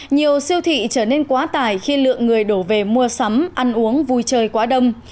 nhiều siêu thị trở nên quá tải khi lượng người đổ về mua sắm ăn uống vui chơi quá đông